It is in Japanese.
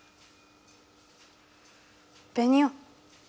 ベニオ。